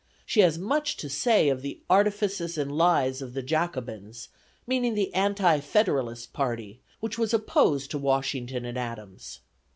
She has much to say of the "artifices and lies of the Jacobins," meaning the anti Federalist party, which was opposed to Washington and Adams.